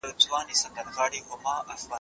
ښوونکي د زده کوونکو غلط فهمي لیرې کوي.